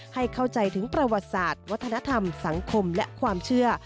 ให้เข้าใจถึงประวัติศาสตร์วัฒนธรรมสังคมและความเชื่อ